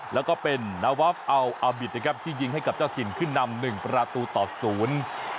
แล้วก็เป็นนวัฟอัลอาวิทที่ยิงให้กับเจ้าถิ่นขึ้นนำ๑ประตูต่อศูนย์